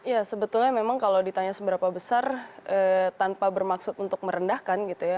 ya sebetulnya memang kalau ditanya seberapa besar tanpa bermaksud untuk merendahkan gitu ya